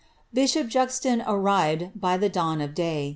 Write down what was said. Bishop Juzon arrived by the dawn of day.